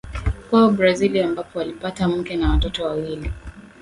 Kwao Brazili ambapo alipata mke na watoto wawili